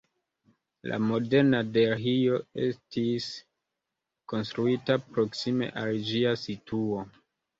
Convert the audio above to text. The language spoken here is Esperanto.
La moderna Delhio estis konstruita proksime al ĝia situo.